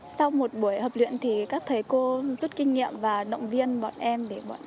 sau một buổi hợp luyện thì các thầy cô rút kinh nghiệm và động viên bọn em